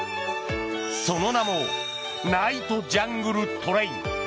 その名もナイトジャングルトレイン。